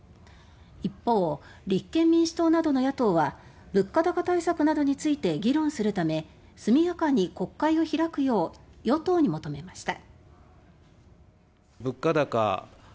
一方、立憲民主党などの野党は物価高対策などについて議論するため速やかに国会を開くよう与党に求めました。